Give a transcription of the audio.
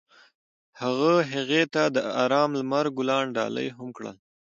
هغه هغې ته د آرام لمر ګلان ډالۍ هم کړل.